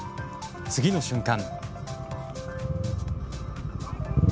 次の瞬間。